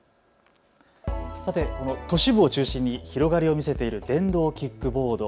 この都市部を中心に広がりを見せている電動キックボード。